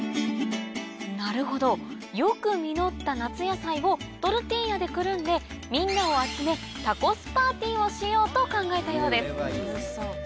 なるほどよく実った夏野菜をトルティーヤでくるんでみんなを集めをしようと考えたようです